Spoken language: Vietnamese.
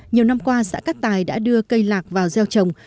nhiều năm qua xã cát tài đã đưa cây lạc vào gieo trồng